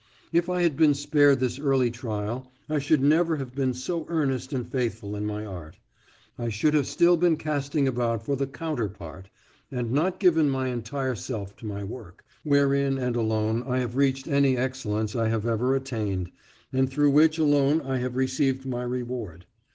If I had been spared this early trial, I should never have been so earnest and faithful in my art; I should have still been casting about for the "counterpart," and not given my entire self to my work, wherein and alone I have reached any excellence I have ever attained, and through which alone I have received my reward.